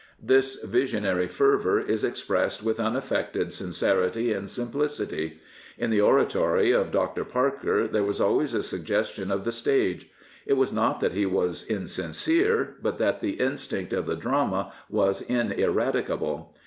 240 The Rev. R. J. Campbell This visionary fervour is expressed with unaffected sincerity and simplicity. In the oratory of Dr. Parker there was dways a suggestion of the stage. It was not that he was insincere, but that the instinct of the drama was ineradicable.